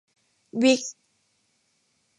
วิค